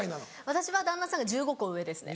私は旦那さんが１５コ上ですね。